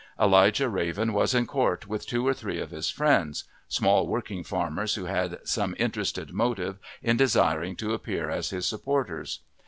Elijah Raven was in court with two or three of his friends small working farmers who had some interested motive in desiring to appear as his supporters.